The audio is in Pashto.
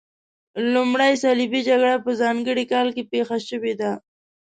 لومړۍ صلیبي جګړه په ځانګړي کال کې پیښه شوې ده.